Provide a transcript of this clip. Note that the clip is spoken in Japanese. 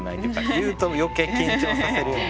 言うと余計緊張させるような。